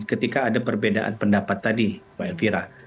ini kan ada perbedaan pendapat tadi pak elvira